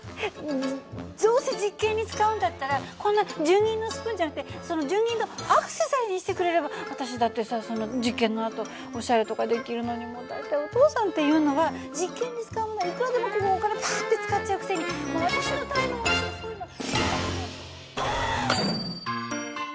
どどうせ実験に使うんだったらこんな純銀のスプーンじゃなくてその純銀のアクセサリーにしてくれれば私だってさその実験のあとおしゃれとかできるのにもう大体お父さんっていうのは実験に使うものはいくらでもこうお金パッて使っちゃうくせに私のためのものとかそういうのは。